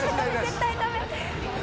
絶対ダメ！